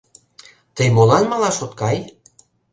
Тый молан малаш от кай?